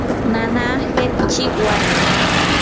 nanaa hiqchi warmim.